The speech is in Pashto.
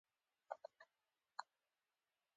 چای د ادبي مجلس خوند دی